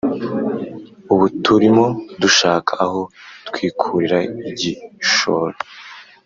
ubuturimo dushaka aho twikurira igishoro